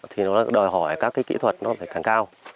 thì nó đòi hỏi các cái kỹ thuật nó phải càng cao